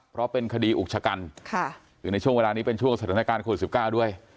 เพราะเป็นคดีอุกชะกันคือในช่วงเวลานี้เป็นช่วงสถานการณ์โควิด๑๙ด้วย